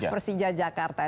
markas persija jakarta